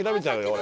俺。